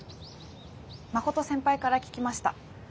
真琴先輩から聞きました。